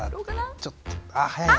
ちょっとあ早いな。